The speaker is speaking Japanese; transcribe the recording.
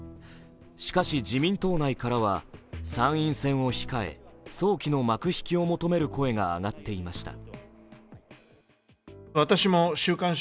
しかし、自民党内からは参院選を控え、早期の幕引きを求める声が上がっていました。